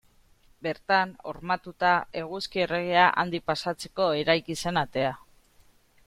Bertan hormatuta, Eguzki Erregea handik pasatzeko eraiki zen atea.